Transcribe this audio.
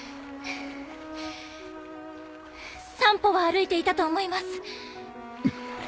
３歩は歩いていたと思います。